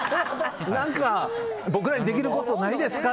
何か、僕らにできることないですか？